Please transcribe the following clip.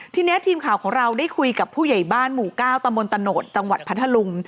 ทีนี้ทีมข่าวของเราได้คุยกับผู้ใหญ่บ้านหมู่ก้าวตะมนตะโนธจังหวัดพัทธลุง